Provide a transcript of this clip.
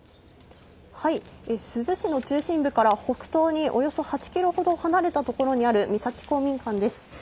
珠洲市の中心部から北東におよそ８キロほど離れた所にある、三崎公民館です。